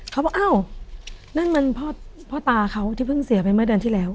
เขาบอกอ้าวนั่นมันพ่อตาเขาที่เพิ่งเสียไปเมื่อเดือนที่แล้ว